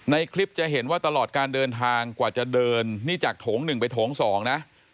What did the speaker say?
ในคลิปจะเห็นว่าตลอดการเดินทางกว่าจะเดินนี่จากโถง๑ไปโถง๒นะ